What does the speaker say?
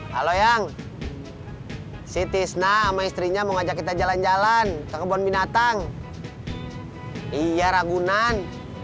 halo yang si tisna sama istrinya mau ajak kita jalan jalan ke kebun binatang iya ragunan